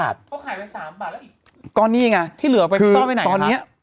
ก็ขายไปสามบาทแล้วอีกก็นี่ไงที่เหลือเอาไปต้องไปไหนอ่ะค่ะคือตอนเนี้ย